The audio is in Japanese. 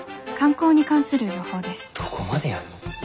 どこまでやんの。